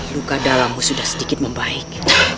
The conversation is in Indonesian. luka dalammu sudah sedikit membaik